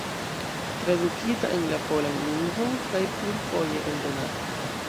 Tradukita en la polan lingvon kaj plurfoje eldonata.